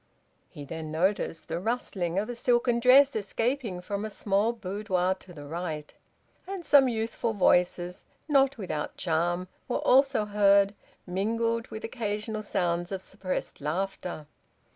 He then noticed the rustling of a silken dress escaping from a small boudoir to the right, and some youthful voices, not without charm, were also heard, mingled with occasional sounds of suppressed laughter.